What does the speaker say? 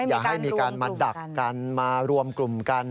อย่าให้มีการมาดักกันมารวมกลุ่มกัน